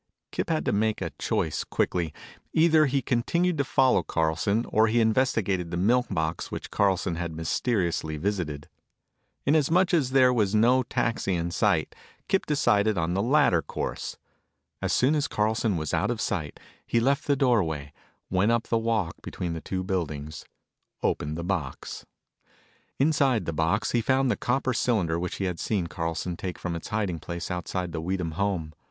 Kip had to make a choice quickly. Either he continued to follow Carlson or he investigated the milk box which Carlson had mysteriously visited. In as much as there was no taxi in sight, Kip decided on the latter course. As soon as Carlson was out of sight, he left the doorway, went up the walk between the two buildings, opened the milk box. Inside the box he found the copper cylinder which he had seen Carlson take from its hiding place outside the Weedham home.